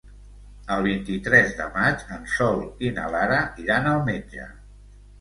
El vint-i-tres de maig en Sol i na Lara iran al metge.